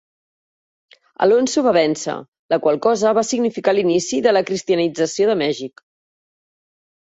Alonso va vèncer, la qual cosa va significar l'inici de la cristianització de Mèxic.